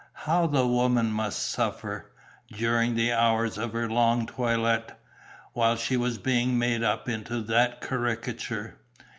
How the woman must suffer, during the hours of her long toilet, while she was being made up into that caricature!